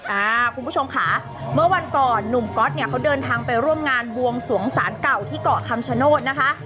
คุณผู้ชมค่ะเมื่อวันก่อนหนุ่มก๊อตเนี่ยเขาเดินทางไปร่วมงานบวงสวงศาลเก่าที่เกาะคำชโนธนะคะ